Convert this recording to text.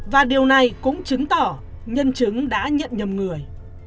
và điều này cũng chứng tỏ nhân chứng đã nhận nhầm người